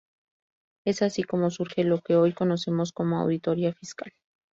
Es así como surge lo que hoy conocemos como auditoría fiscal.